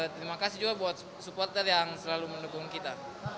terima kasih juga buat supporter yang selalu mendukung kita